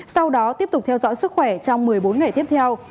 sau đó tiếp tục theo dõi sức khỏe trong một mươi bốn ngày tiếp theo